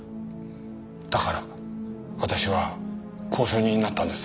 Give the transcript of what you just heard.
だから私は交渉人になったんです。